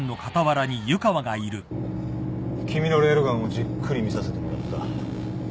君のレールガンをじっくり見させてもらった。